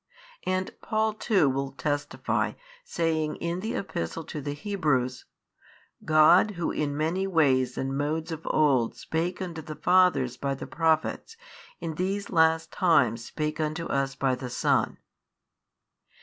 And Paul too will testify saying in the Epistle to the Hebrews, God Who in many ways and modes of old spake unto the fathers by the prophets in these last times spake unto us by the Son.